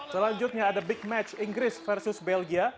selanjutnya ada big match inggris versus belgia